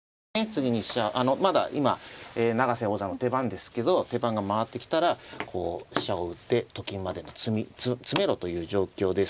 次に飛車まだ今永瀬王座の手番ですけど手番が回ってきたらこう飛車を打ってと金までの詰めろという状況です。